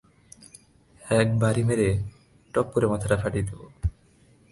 এক বাড়ি মেরে টপ করে মাথাটা ফাটিয়ে দেব।